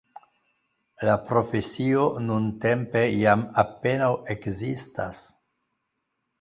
La profesio nuntempe jam apenaŭ ekzistas.